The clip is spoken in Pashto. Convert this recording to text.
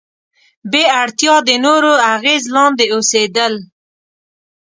بې اړتیا د نورو اغیز لاندې اوسېدل.